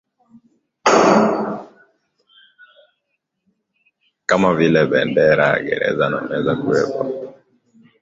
kama vile bendera gereza na meza Kuwepo